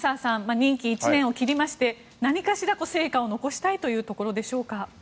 任期１年を切りまして何かしら成果を残したいというところでしょうか。